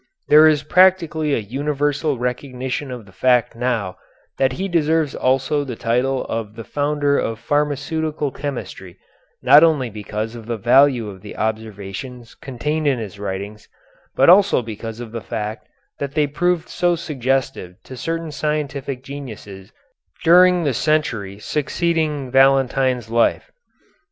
There is practically a universal recognition of the fact now that he deserves also the title of the Founder of Pharmaceutical Chemistry, not only because of the value of the observations contained in his writings, but also because of the fact that they proved so suggestive to certain scientific geniuses during the century succeeding Valentine's life.